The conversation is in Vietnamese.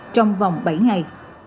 trong vòng bảy ngày